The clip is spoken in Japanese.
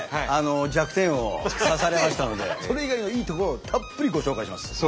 弱点を刺されましたのでそれ以外のいいところをたっぷりご紹介します。